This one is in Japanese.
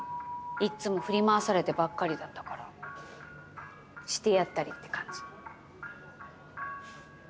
いつも振り回されてばっかりだったからしてやったりって感じ。